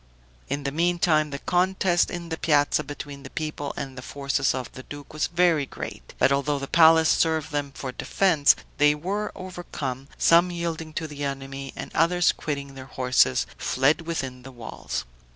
In the meantime, the contest in the piazza between the people and the forces of the duke was very great; but although the place served them for defense, they were overcome, some yielding to the enemy, and others, quitting their horses, fled within the walls.